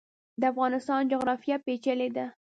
د افغانستان جغرافیا پیچلې ده